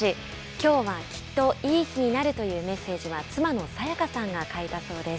きょうはきっといい日になるというメッセージは、妻の早耶架さんが書いたそうです。